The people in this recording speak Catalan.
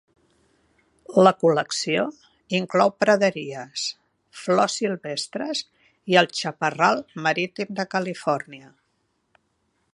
La col·lecció inclou praderies, flors silvestres i el "chaparral" marítim de Califòrnia.